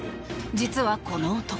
実はこの男。